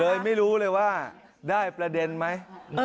ไม่รู้เลยว่าได้ประเด็นไหม